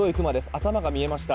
頭が見えました。